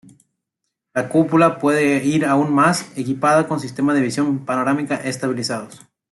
La cúpula puede ir aún más equipada con sistemas de visión panorámica estabilizados.